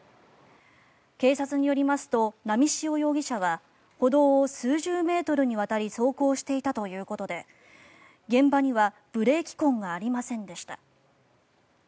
警察によりますと波汐容疑者は歩道を数十メートルにわたり走行していたということで現場にはブレーキ痕がありませんでした。